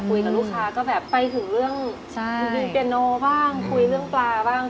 คุยกับลูกค้าก็แบบไปถึงเรื่องเปียโนบ้างคุยเรื่องปลาบ้าง